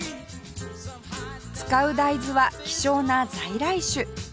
使う大豆は希少な在来種